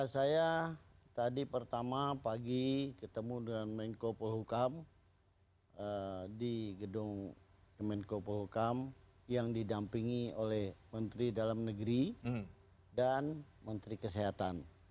saya tadi pertama pagi ketemu dengan menko polhukam di gedung kemenko polhukam yang didampingi oleh menteri dalam negeri dan menteri kesehatan